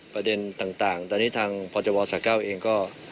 ประเด็นต่างตอนนี้ทางพจบสะเก้าเองก็